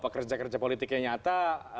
kerja kerja politiknya nyata